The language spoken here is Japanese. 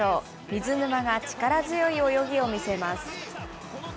水沼が力強い泳ぎを見せます。